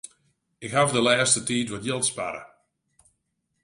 Ik haw de lêste tiid wat jild sparre.